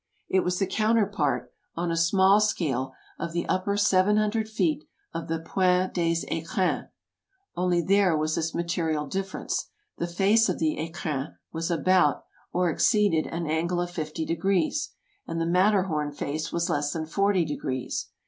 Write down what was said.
It was the counterpart, on a small scale, of the upper seven hundred feet of the Pointe des Ecrins ; only there was this material difference — the face of the Ecrins was about, or exceeded, an angle of fifty degrees, and the Matterhorn face was less than forty degrees.